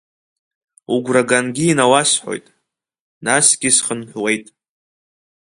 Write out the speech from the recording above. Угәра гангьы инауасҳәоит, насгьы схынҳәуеит.